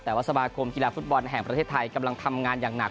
แต่ว่าสมาคมกีฬาฟุตบอลแห่งประเทศไทยกำลังทำงานอย่างหนัก